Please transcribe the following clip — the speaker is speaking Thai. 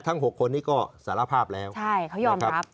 ๖คนนี้ก็สารภาพแล้วใช่เขายอมรับ